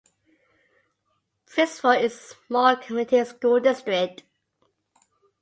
Princeville is a small community school district.